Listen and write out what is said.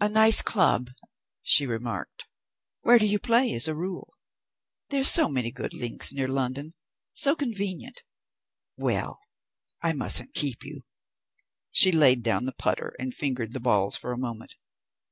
"A nice club," she remarked. "Where do you play, as a rule? There are so many good links near London; so convenient. Well, I mustn't keep you." She laid down the putter and fingered the balls for a moment.